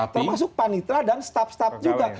termasuk panitra dan staf staf juga